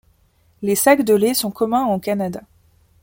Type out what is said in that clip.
Les sacs de lait sont communs au Canada.